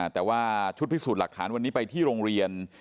แต่ว่าชุดพิสูจน์หลักฐานวันนี้ไปที่โรงเรียน